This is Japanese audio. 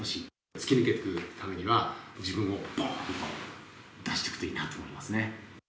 突き抜けていくためには、自分をぼーんと出していくといいなと思いますね。